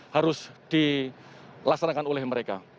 harus dilaksanakan oleh mereka